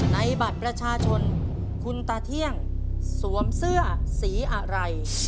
ในบัตรประชาชนคุณตาเที่ยงสวมเสื้อสีอะไร